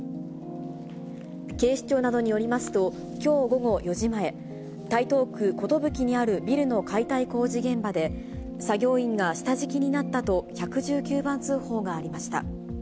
警視庁などによりますと、きょう午後４時前、台東区寿にあるビルの解体工事現場で、作業員が下敷きになったと、１１９番通報がありました。